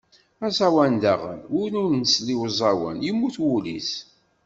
Aẓawan daɣen win ur nsell i uẓawan yemmut wul-is.